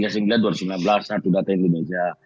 satu data indonesia